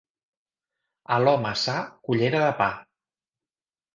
A l'home sa, cullera de pa.